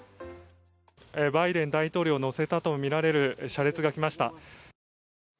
バイデン大統領を乗せたとみられる車列が来ました。